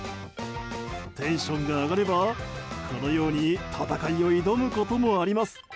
テンションが上がればこのように戦いを挑むこともあります。